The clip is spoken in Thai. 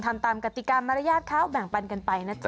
ทำตามกติกรรมมารยาทเขาแบ่งปันกันไปนะจ๊